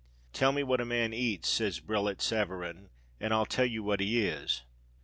"Tell me what a man eats," said Brillat Savarin, "and I'll tell you what he is."